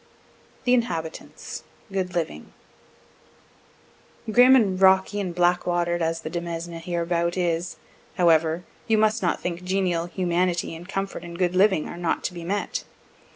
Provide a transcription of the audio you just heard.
THE INHABITANTS GOOD LIVING Grim and rocky and black water'd as the demesne hereabout is, however, you must not think genial humanity, and comfort, and good living are not to be met.